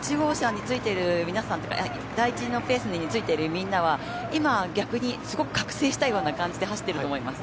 なので第１のペースについているみんなは今、逆にすごく覚醒したような感じで走っていると思います。